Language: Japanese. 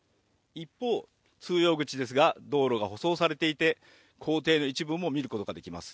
一方、通用口ですが、道路が舗装されていて校庭の一部も見ることができます。